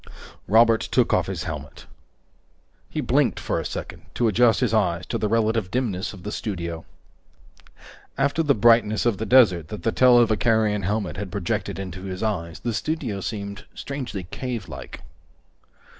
Robert took off his helmet. He blinked for a second to adjust his eyes to the relative dimness of the studio. After the brightness of the desert that the televicarion helmet had projected into his eyes, the studio seemed strangely cavelike.